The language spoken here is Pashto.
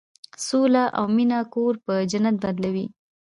سوله او مینه کور په جنت بدلوي.